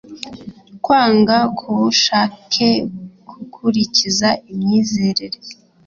Kwanga kubushake gukurikiza imyizerere